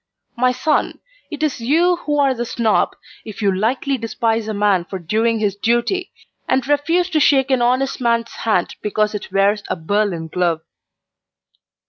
My son, it is you who are the Snob if you lightly despise a man for doing his duty, and refuse to shake an honest man's hand because it wears a Berlin glove.